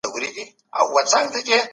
سم نیت شخړه نه پیدا کوي.